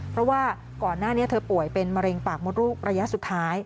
เพราะว่าก่อนหน้านี้เธอป่วยเป็นมะเร็งปากมดลูกระยะสุดท้าย